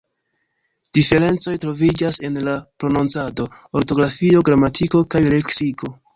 Diferencoj troviĝas en la prononcado, ortografio, gramatiko kaj leksiko.